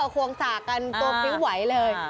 โอ้โหควงสากันตัวพิ้งไหวเลย